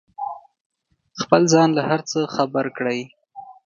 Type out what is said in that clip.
خپل ځان له هر څه خبر کړئ.